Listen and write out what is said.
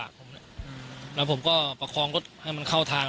แล้วก็ได้คุยกับนายวิรพันธ์สามีของผู้ตายที่ว่าโดนกระสุนเฉียวริมฝีปากไปนะคะ